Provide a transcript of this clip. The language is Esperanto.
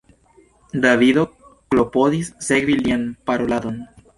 Davido klopodis sekvi lian paroladon.